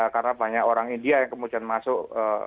karena banyak orang india yang kemudian masuk